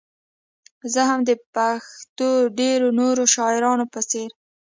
زه هم د پښتو ډېرو نورو شاعرانو په څېر.